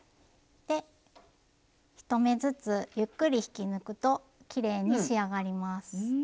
で１目ずつゆっくり引き抜くときれいに仕上がります。